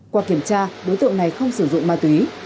qua kiểm tra đối tượng này không sử dụng ma túy